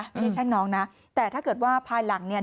อันนี้แช่งน้องนะแต่ถ้าเกิดว่าภายหลังเนี่ย